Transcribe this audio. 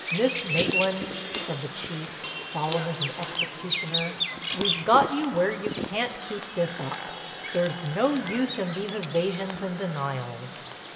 "Miss Maitland," said the Chief, solemn as an executioner, "we've got you where you can't keep this up. There's no use in these evasions and denials.